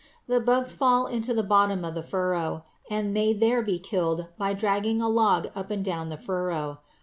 The bugs fall into the bottom of the furrow, and may there be killed by dragging a log up and down the furrow.